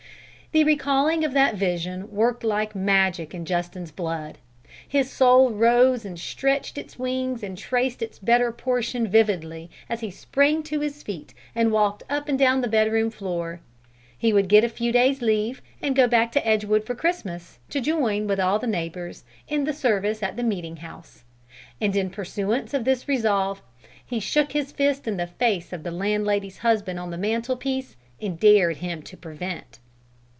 The recalling of that vision worked like magic in Justin's blood. His soul rose and stretched its wings and "traced its better portion" vividly, as he sprang to his feet and walked up and down the bedroom floor. He would get a few days' leave and go back to Edgewood for Christmas, to join, with all the old neighbours, in the service at the meeting house; and in pursuance of this resolve, he shook his fist in the face of the landlady's husband on the mantelpiece and dared him to prevent.